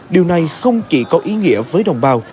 điều này không chỉ có ý nghĩa với đồng bào